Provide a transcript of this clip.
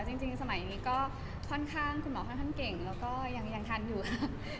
และจริงสมัยนี้คุณหมอค่อนข้างเก่งและก็ยังทันอยู่ครับ